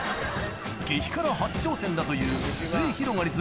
激辛初挑戦だというすゑひろがりず・